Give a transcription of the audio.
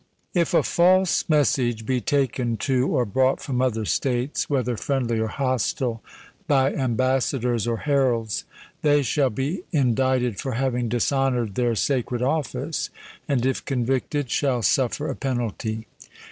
If a false message be taken to or brought from other states, whether friendly or hostile, by ambassadors or heralds, they shall be indicted for having dishonoured their sacred office, and, if convicted, shall suffer a penalty.